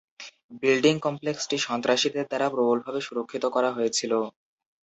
Building কমপ্লেক্সটি সন্ত্রাসীদের দ্বারা প্রবলভাবে সুরক্ষিত করা হয়েছিল।